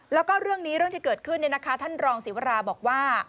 แล้วก็เรื่องนี้เรื่องที่เกิดขึ้นท่านรองศิวราบอกว่า